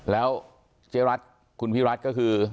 แล้วเจ๊รัฐคุณพี่รัฐก็คือ